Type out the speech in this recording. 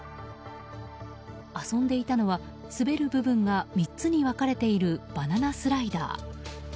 遊んでいたのは滑る部分が３つに分かれているバナナスライダー。